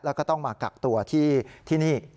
แล้วก็ต้องมากักตัวที่นี่